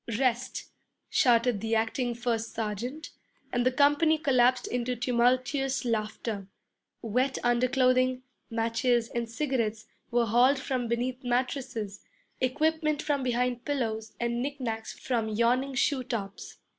'Rest,' shouted the acting first sergeant, and the company collapsed into tumultuous laughter. Wet under clothing, matches, and cigarettes, were hauled from beneath mattresses, equipment from behind pillows, and knick knacks from yawning shoe tops.